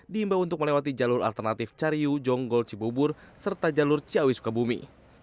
diimbau untuk melewati jalur alternatif cariw jonggol cibubur serta jalur ciawis ke bumi